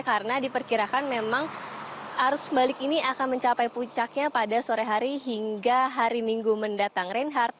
karena diperkirakan memang arus balik ini akan mencapai puncaknya pada sore hari hingga hari minggu mendatang reinhardt